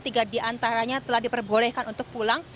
tiga diantaranya telah diperbolehkan untuk pulang